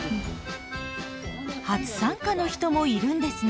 初参加の人もいるんですね。